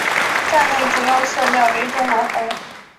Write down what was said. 站内主要色调为中国红。